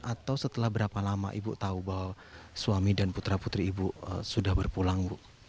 atau setelah berapa lama ibu tahu bahwa suami dan putra putri ibu sudah berpulang bu